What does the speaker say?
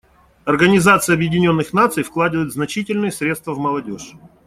Организация Объединенных Наций вкладывает значительные средства в молодежь.